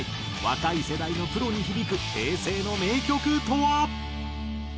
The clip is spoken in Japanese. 若い世代のプロに響く平成の名曲とは？